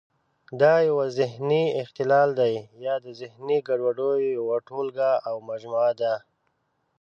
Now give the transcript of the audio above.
دا یو ذهني اختلال دی یا د ذهني ګډوډیو یوه ټولګه او مجموعه ده.